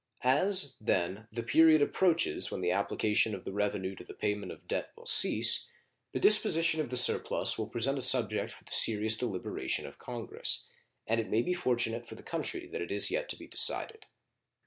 As, then, the period approaches when the application of the revenue to the payment of debt will cease, the disposition of the surplus will present a subject for the serious deliberation of Congress; and it may be fortunate for the country that it is yet to be decided.